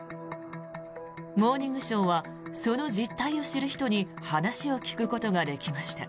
「モーニングショー」はその実態を知る人に話を聞くことができました。